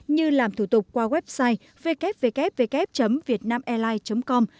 như làm thủ tục qua website www vietnamairline com